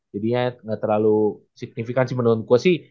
jadinya gak terlalu signifikansi menurut gue sih